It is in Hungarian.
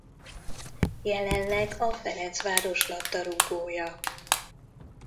Jelenleg a Ferencváros labdarúgója.